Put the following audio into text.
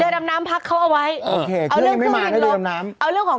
เรือดำน้ำพักเขาเอาไว้เออเอาเรื่องเครื่องบินลบเอาเรื่องของ